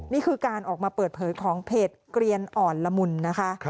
นี่คือการออกมาเปิดเผยของเพจเกลียนอ่อนละมุนนะคะ